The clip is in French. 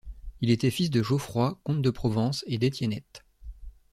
Il était fils de Geoffroi, comte de Provence, et d'Etiennette.